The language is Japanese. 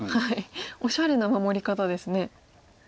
おしゃれな守り方ですね。